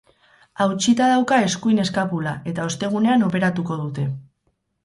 Hautsita dauka eskuin eskapula, eta ostegunean operatuko dute.